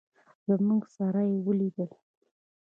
زموږ سره یې ولیدل.